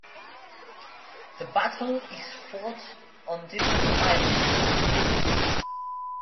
The battle is fought on different islands (maps).